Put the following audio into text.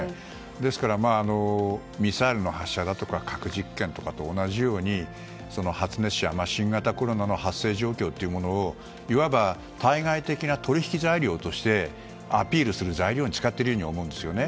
ですから、ミサイルの発射だとか核実験とかと同じように発熱者、新型コロナの発生状況をいわば、対外的な取引材料としてアピールする材料に使っているように見えるんですね。